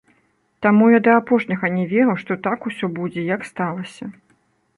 Таму я да апошняга не верыў, што так усё будзе, як сталася.